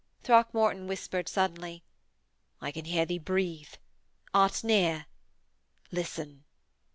Throckmorton whispered suddenly: 'I can hear thee breathe. Art near! Listen!'